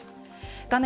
画面